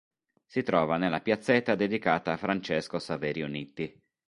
Si trova nella piazzetta dedicata a Francesco Saverio Nitti.